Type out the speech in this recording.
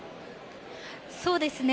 そうですね。